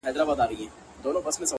د خپل ژوند په يوه خړه آئينه کي’